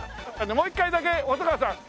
もう一回だけ細川さん。